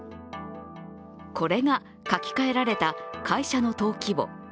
これが書き換えられた会社の登記簿。